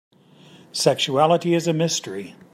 Sexuality is a mystery.